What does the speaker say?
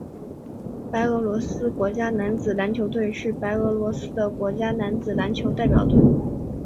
白俄罗斯国家男子篮球队是白俄罗斯的国家男子篮球代表队。